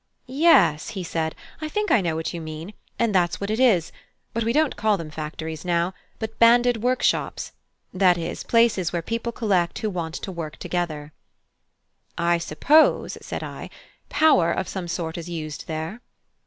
"Yes," he said, "I think I know what you mean, and that's what it is; but we don't call them factories now, but Banded workshops: that is, places where people collect who want to work together." "I suppose," said I, "power of some sort is used there?"